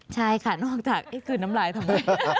ใช่ค่ะนอกจากคืนน้ำลายทำไม